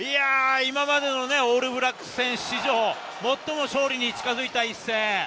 今までのオールブラックス戦、史上最も勝利に近づいた一戦。